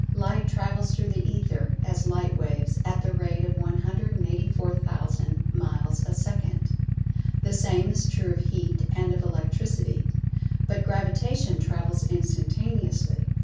Light travels through the Ether (as light waves) at the rate of 184,000 miles a second. The same is true of Heat and of Electricity. But Gravitation travels instantaneously.